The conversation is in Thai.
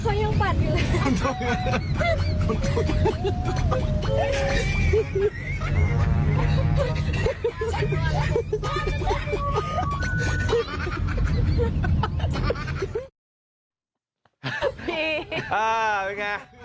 เขายังปัดอยู่เลย